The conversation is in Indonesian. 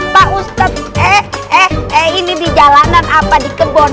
pak ustadz ini di jalanan apa di kebun